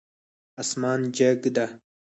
اسمان جګ ده